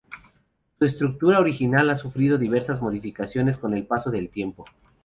Su estructura original ha sufrido diversas modificaciones con el paso del tiempo.